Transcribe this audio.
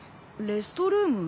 レストルーム？